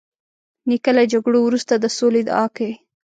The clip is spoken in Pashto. نیکه له جګړو وروسته د سولې دعا کوي.